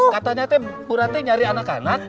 katanya te pura te nyari anak anak